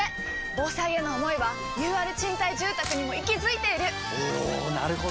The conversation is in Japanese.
防災への想いはＵＲ賃貸住宅にも息づいているおなるほど！